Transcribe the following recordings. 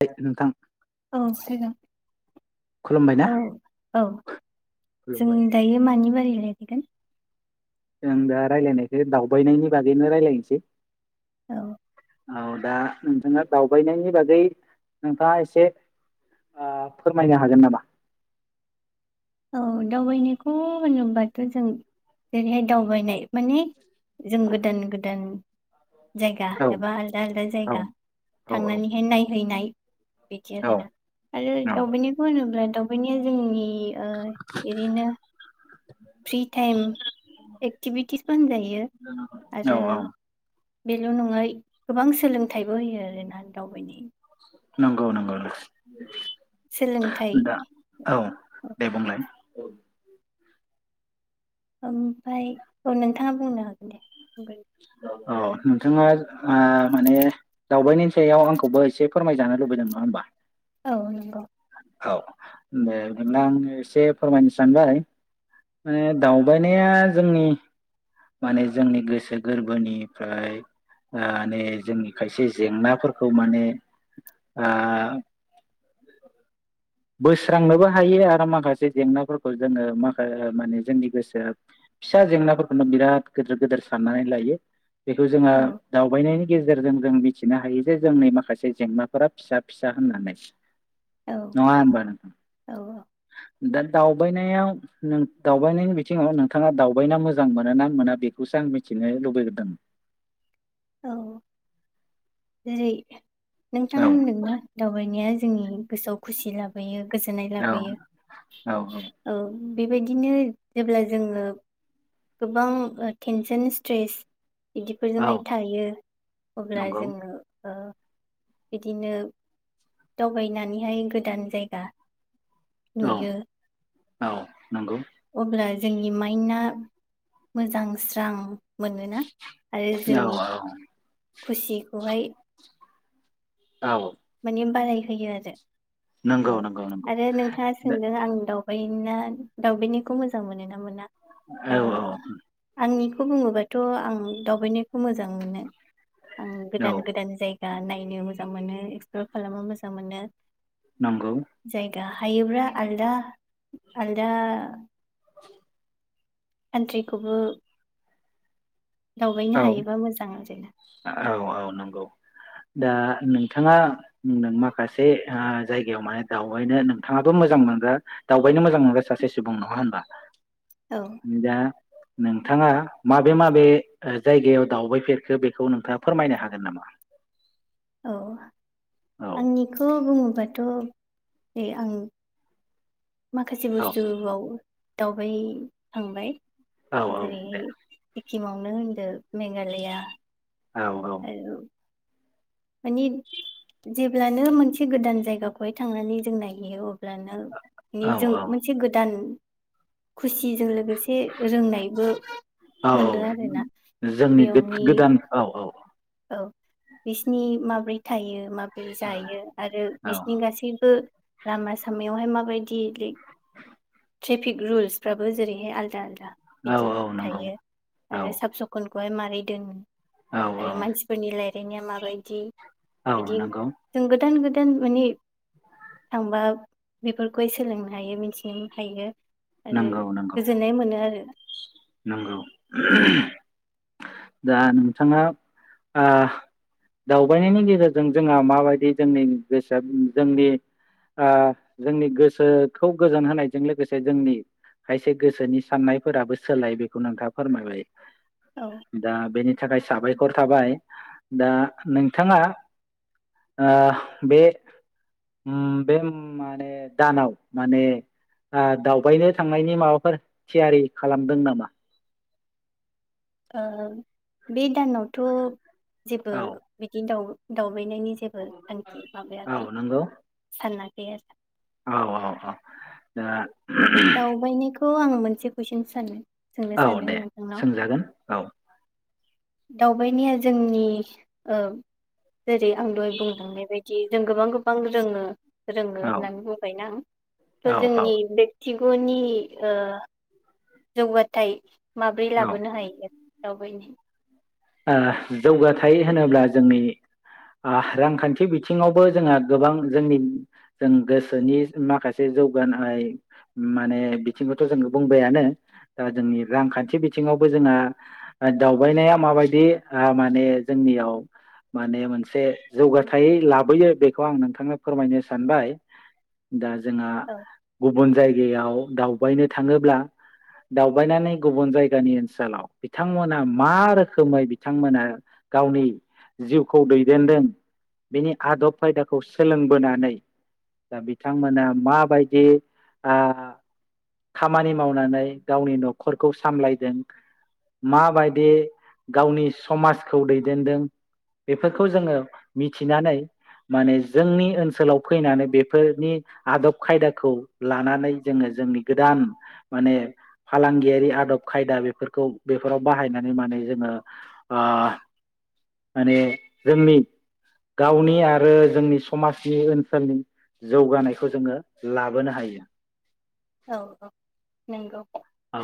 दे नोंथां औ [unintelligible] खुलुमबाय ना औ औ जों खुलुमबाय। दायो मानि बारै [inaudible] मेंगोन आों दा रायज्लायनायखो दावबायनायनि बागैनो रायजलायनोसै औ औ दा नोंथाङा दावबायनायनि बागै नोंथाङा एसे ओ फोरमायनो हागोन नामा औ दावबायनायखौ होनोबाथ' जों जेरैहाय दावबायनाय माने जों गोदान गोदान जायगा औ एबा आलदा आलदा औ जायगा औ थांनानैहाय नायहैनाय बिदि आरोना औ आरो दावबनिखौ होनोब्ला दाव बेनिया जोंनि इरैनो फ्रि टाइम एक्टिभिटिस फानोजायो औ आरो औ बेल' नङाय गोबां सोलोंथाइबो होयो आरोना दावबायनाय नंगौ नंगौ सोलोंथाइ [inaudible] दा औ औ दे बुंलाय [unintelligible] ओमफ्राय औ नोंथाङा बुंनो हागोन दे औ नोंथाङा माने दावबायनि सायाव आंखौबो एसे फोरमायजानो लुबैदों नङा होमबा औ नंगौ औ द बिदिब्ला आङो एसे फोरमायनो सानबाय माने दावबायनाया जोंनि माने जोंनि गोसो गोरबोनिफ्राय माने जोंनि खायसे जेंनाफोरखौ माने ओ बोस्रांनोबो हायो आरो माखासे जेंनाफोरखौ जोङो माखा माने जोंनि गोसोआ फिसा जेंनाफोरखौनो बिराद गिदिर गिदिर साननानै लायो। बेखौ जोंङहा औ दावबायनायनि गेजेरजों गेजेरजों जों मिथिनो हायो जे जोंनि माखासे जेंनाफोरा फिसा फिसा होननानै। औ नंआ होमबा नोंथां? औा दा दावबायनायाव दावबायनायनि बिथिङाव नोंथाङा दावबायना मोजां मोनो ना मोना बेखौसो आं मिथिनो लुबैदों। औ जि नोंथां औ होनदोंना दावबायनाया जोंनि गोसोआव खुसि लाबोयो। गोजोननाय औ लाबोयो औ औ बेबायदिनो जेब्ला जोङो गोबां टेनसन स्ट्रेस औ बिदिफोरजोंहाय थायो अब्ला नंगौ जोङो बिदिनो दावबायनानैहाय गोदान जायगा औ नुयो औ नंगौ अब्ला जोंनि माइना मोजां स्रां मोनोना आरो औ जोंनि औ खुसिखौहाय औ माने बारायहोयो आरो औ नंगौ नंगौ नंगौ आरो नोंथाङा सोंदों आं दावबाय होनना दाउबायनायखौ मोजां मोनोना मोना? औ ओ औ आंनिफ खौ बुङोबाथ' आं दावबायनायखौ मोजां मोनो। आं गोदान गोदान जायगा नायनो मोजां जां मोनो ओ खालामनो मोजां मोनो। नंगौ जायगा हायोब्ला आलदा आलदा कान्ट्रिखौबो दावबायनो औ हायोबा मोजां आरोना। औ औ नंगौ दा नोंथाङा नों माखासे ओ जायगायाव माने दावबायनो नोंथाङाबो मोजां मोनग्रा दावबायनो मोजां मोनग्रा सासे सुबुं नङा होमबा? औ दा नोंथाङा माबे माबे ओ जायगायाव दावबायफेरखो बेखौ नोंथाङा फोरमायनो हागोन नामा? औ औ आंनिखो बुङोबाद थ' जे आं माखासे औ बुस्थु बाव दावबाय खांबाय औ औ दे जेरैहाय किमावनो होनदों मेघालया औ। औ माने जेब ब्लानो मोनसे गोदान जायगाखौहाय थांनानै जों नायहैयो औ ब्लानो है औ जों मोनसे गोदान खुसिजों लोगो से रोंनायबो औ मोनो आरोना जोंनि बेयावनि गोदान औ औ औ बिसिनि माब्रै थायो माब ब्रै जायो आरो औ बिसोरनि गासैबो लामा सामायावहाय माबायद देलै ट्रेफिक रुल्सफ्राबो जैरैहाय आलदा औ बिदि औ नंगौ थायो औ आरो साफ सखन खौहाय मारै दोनगोन औ औ आरो मानसिफोरनि रायलायनाया माबायदि औ बिदि नंगौ जों गोदान गो दान माने थांबा बेफोरखौहाय सोलोंनो हायो मिथिनो हायो। आरो नोंगौ नोंगौ गोजोननाय मोनो आरो नोंगौ दा नोंथाङा आ दावबायनायनि गेजेरजों जोंहा माबायदि जोंनि गोसोआ जोंनि आ जोंनि गोसोखौ गोजोन होनायजों लोगोसे जोंनि खायसे गोसोनि साननायफोराबो सोलाय बेखौ नोंथाङा फोरमायबाय औ दा बेनि थाखाय साबायखर थाबाय दा नोंथाङा आ बे उम बे माने दानाव माने आ दावबायनो थांनायनि माबाफोर थियारि खालामदों नामा? ओ बे दानावथ' जेबो औ बिदिनो दाव दाव बैनायनि जेबो थांखि औ माबायाखै नंगौ सानना [inaudible] औ औ औ दा दावबाय खौ आं मोनसे कुइसन सानो सोंनो औ सानदों दे नोंथांनाव सोंजागोन औ दावबायनाया जोंनि ओ जेरै आं दहाय बुंलांनायबायदि जि जों गोबां गोबां रोङो। रोङो औ होननानै बुंबायना आं थ' औ जोंनि बे थिगु'नि ओ जौगाथाय माब्रै औ ओ लाबोनो हायो। दावबायनि ओ जौगाथाय होनोब्ला जोंनि आ रांखान्थि बिथिङावबो जोंहा गोबां जोंनि जों गोसोनि माखासे जौगानाय माने बिथिंखौथ' जों बुंबायानो दा जोंनि रांखान्थि बिथिङावबो जोंहा ओ दावबायनाया माबाय- दि ओ माने जोंनियाव माने मोनसे जौगाथाय लाबोयो बेखौ आं नोंथांनो फोरमायनो सानबाय जोंहा औ गुबुन जायगायाव दावबायनो थाङोब्ला दावबायनानै गुबुन जायगानि ओनसोलाव बिथांमोना मा रो- खोमै बिथांमोना गावनि जिउखौ दैदेनदों बिनि आदब खायदाखौ सोलोंबोनानै दा बिथांमोना माबायदि आ खामानि मावनानै गावनि न'खरखौ सामलायदों माबायदि गावनि समाजखौ दैदेनदों बेफोरखौ जोङो मिथिनानै माने जोंनि ओनसोलाव फैनानै बेफोरनि आदब खायदाखौ लानानै जोङो जोंनि गोदान माने फालांगियारि आदब खायदा बेफोरखौ बेफोराव बाहायनानै माने जोङो ओ माने जोंनि गावनि आरो जोंनि समाजनि ओनसोलनि जौगानायखौ जोङो लाबोनो हायो। औ औ नोंगौ। औ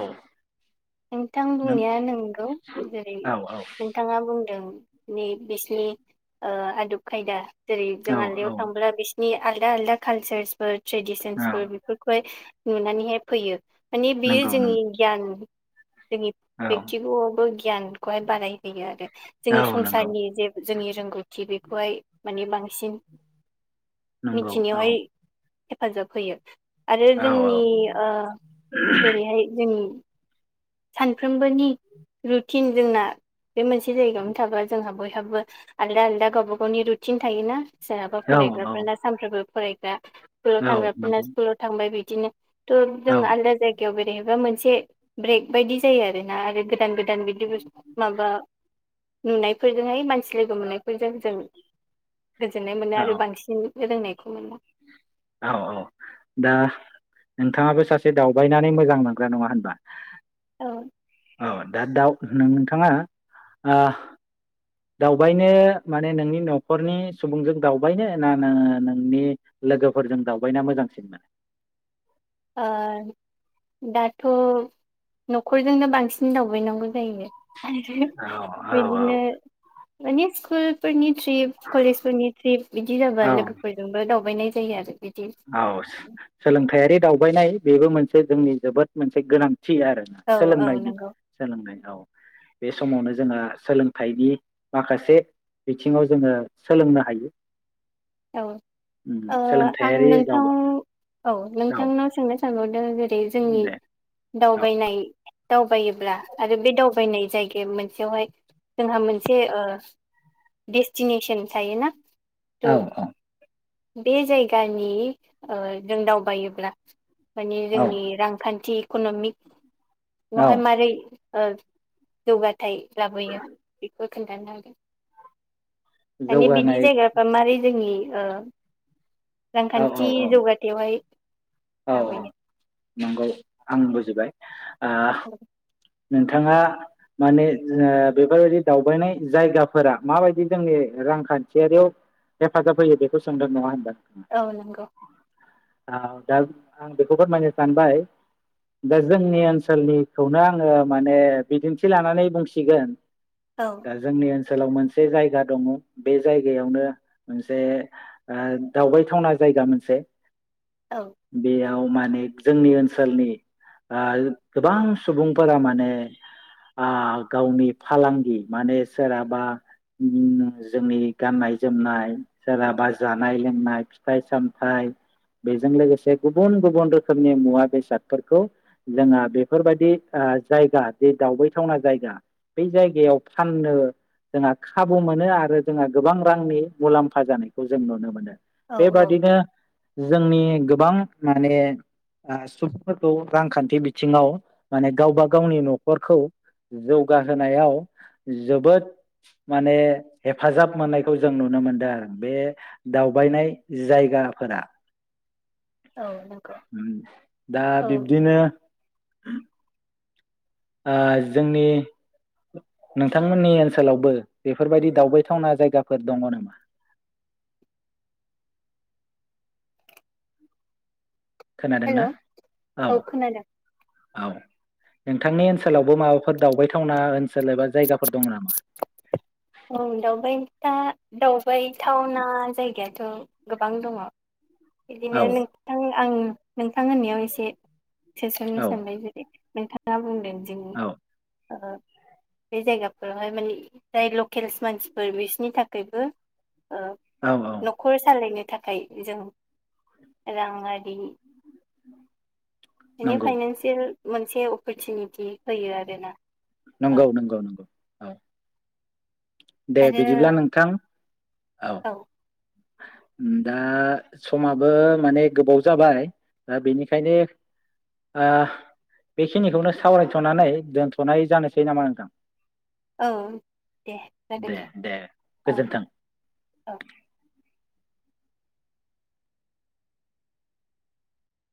नोंथां नों बुंनाया नोंगौ जेरै औ औ नोंथाङा बुंदों। नि बिसनि आदब खायदा जेरै जों औ आलदायाव औ थांब्ला बिस नि आलदा आलदा कालचारसफोर औ ट्रेडिसनस फोर बेफोरखौहाय नुनानैहाय फैयो। मानि बियो नंगौ नों जोंनि गियान जोंनि औ बेकथिगआवबो गियानखौहाय बारायहोयो आरो औ जोंनि नंगौ संसारनि जे जोंनि रोंगौथि बेखौहाय माने बांसिन नंगौ औ मिथिनायावहाय हेफाजाब होयो। आरो औ जोंनि जेरैहाय जोंनि सानफ्रोमबोनि रुटिन जोंना बे मोनसे जायगायावनो थाग्रा जोंहाबो थाबबो आलदा आलदा गावबा गावनि रुटिन थायोना। सोरहाबा औ फरायग्राफोर ना सानफ्रोमबो फारायग्रा स्कुलाव औ थांग्राफोरना नंगौ स्कुलाव थांबाय बि बिदिनो थ' जों औ आलदा जायगायाव बे बेेबा मोनसे ब्रेक बायदि जायो आरो ना आरो गोदान गोदान दान बिदि बुस माबा नुनायफोरजोंहाय मानसि लोगो मोननायफोरजों जों गोजोननाय मोनो औ आरो बांसिन रोंनायखौ मोना औ औ दा नोंथाङाबो सासे दावबायनानै मोजां मोनग्रा नङा होनबा? औ औ दा दाव नोंथाङा आह दावबायनो माने नोंनि न'खरनि सुबुंजों दावबायनो ना नोङो नोंनि लोगोफोरजों दावबायना मोजांसिनमोन दाथ' न'खरजोंनो बांसिन दावबायनांगौ जायो औ औ बिदिनो माने सकुलफोरनि ट्रिप कलेजफोरनि ट्रिप बिदि जाबा औ लोगोफोरजोंबो दावबायनाय जायो आरो बिदि औ सोलोंथायारि दाव बायनाय बेबो मोनसे जोंनि जोबोद मोनसे गोनां थि आरो औ औ सोलोंनायनि नंगौ सोलोंनाय औ बे समावनो जोंहा सोलोंथाइनि माखासे बिथिङाव जोङो सोलोंनो हायो। औ उम ओ आं सोलोंथायारि नोंथां दावबा औ औ नोंथांनाव सोंनो सानबाय दे ए जे बे जोंनि दे दावबायनाय दावबायोब्ला आरो बे दावबायनाय जायगे मोनसेयावहाय जोंहा मोनसे ओ देस्टिनेसोन थायोना औ थ' औ बे जायगानि ओ जों दावबायोब्ला माने औ जोंनि रांखान्थि इकनमिक औ बेवहाय मारै ओ जौगाथाय लाबोयो बेखो खोन्थानो हागोन माने बिदि जौगानाय जायगाफ्रा मारै जोंनि ओ औ रांखान्थि औ औ जौगाथायावहाय औ औ लाबोयो नंगौ आं बुजिबाय। आह नोंथाङा माने जा बेफोरबायदि दावबायनाय जायगाफोरा माबायदि जोंनि रांखान्थियारियाव हेफाजाब होयो बेखौ सोंदों नङा होनबा? औ नोंगौ [inaudible] दा आं बेखौ फोरमायनो सानबाय दा जोंनि ओनसोलनिखौनो आङो माने बिदिन्थि लानानै बुंसिगोन औ दा जोंनि ओन सोलाव मोनसे जायगा दङ बे जायगायावनो मोनसे ओ दावबायथावना जायगा मोनसे औ बेयाव माने जोंनि ओनसोलनि ओ गोबां सुबुंफोरा माने आ गावनि फालांगि माने सोरहाबा ओम जोंनि गाननाय जोमनाय सोरहाबा जानाय लोंनाय फिथाइ सामथाइ बेजों लोगोसे गुबुन गुबुन रोखोमनि मुवा बेसादफोरखौ जोंहा बेफोरबायदि ओ जायगा जे दावबायथावना जायगा बै जायगायाव फाननो जोंहा खाबु मोनो आरो जोंहा गोबां रांनि मुलाम्फा जानायखौ जों नुनो मोनो औ बे औ बादिनो जोंनि गोबां माने ओ सुबुंफोरखौ रांखान्थि बिथिङाव माने गावबा गावनि न'खरखौ जौगाहोनायाव जोबोद माने हेफाजाब मोननायखौ जों नुनो मोनदों आरो बे दावबायनाय जायगाफोरा। औ नंगौ उम दा औ बिब्दिनो ओ जोंनि नोंथांमोननि ओनसोलावबो बेफोरबायदि दावबायथावना जायगाफोर दङ नामा? हेल' खोनादोंना औ खोनादों। औ नोंथांनि ओनसोलावबो माबाफोर दावबायथावना ओनसोल एबा जायगाफोर दं नामा? दावबायथा दावबायबायथावना जायगायाथ' गोबां दङ। बिदिनो औ नोंथां आं नोंथां होननायाव एसे सोसननो औ सानबाय जेरै नोंथां। मा बुंदों? जों औ बे जायगाफोरावहाय माने जाय ल केल्स मानसिफोर बिसनि थाखायबो ओ औ औ न'खर सालायनो थाखाय जों राङारि माने नंगौ फाइनेनसियेल मोनसे अपरचुनिटि होयो आरोना। औ नंगौ नंगौ नंगौ औ। दे बिदिब्ला आरो नोंथां औ। दा समाबो माने गोबाव जाबाय दा बेनिखायनो ओ बेखिनिखौनो सावरायथ'नानै दोनथ'नाय जानोसै नामा नोंथां औ दे जागोन दे औ गोजोन्थों। औ